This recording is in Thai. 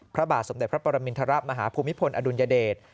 พระบาทสมเด็จพระปรมินทรมาฮภูมิพลอดุลยเดช